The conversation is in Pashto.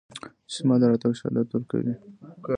چې زما د راتګ شهادت ورکوي